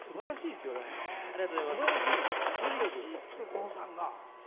すばらしいって郷さんが。